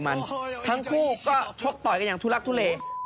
มันทั้งคู่ก็ชกต่อยกันอย่างทุลักทุเล